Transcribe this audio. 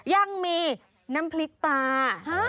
ยังมีน้ำพริกปลา